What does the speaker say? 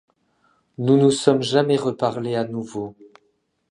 Nous nous sommes jamais reparlé à nouveau.